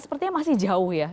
sepertinya masih jauh ya